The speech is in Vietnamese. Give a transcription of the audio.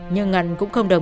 nhưng ngân cũng không đồng ý